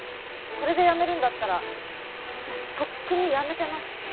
これで辞めるんだったらもうとっくに辞めてます